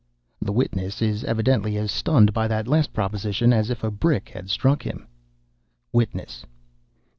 (The witness is evidently as stunned by that last proposition as if a brick had struck him.) WITNESS.